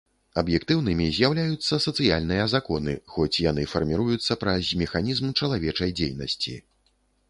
Аб'ектыўнымі з'яўляюцца сацыяльныя законы, хоць яны фарміруюцца праз механізм чалавечай дзейнасці.